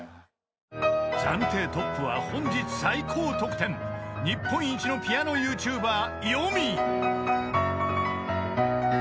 ［暫定トップは本日最高得点日本一のピアノＹｏｕＴｕｂｅｒ］